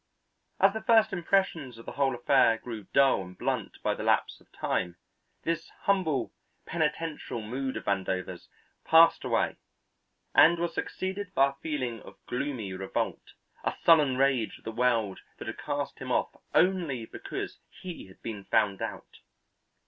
As the first impressions of the whole affair grew dull and blunt by the lapse of time, this humble penitential mood of Vandover's passed away and was succeeded by a feeling of gloomy revolt, a sullen rage at the world that had cast him off only because he had been found out.